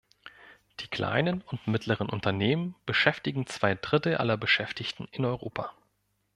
Die kleinen und mittleren Unternehmen beschäftigen zwei Drittel aller Beschäftigten in Europa.